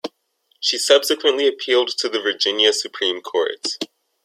She subsequently appealed to the Virginia Supreme Court.